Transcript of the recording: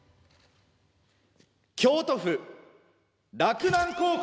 京都府洛南高校！